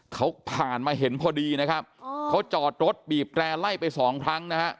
เขาผ่านมาเห็นพอดีนะครับเขาจอดรถบีบแตร่ไล่ไปสองครั้งนะฮะ